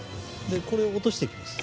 でこれを落としていきます。